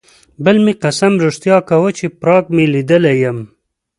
بل مې قسم رښتیا کاوه چې پراګ مې لیدلی یم.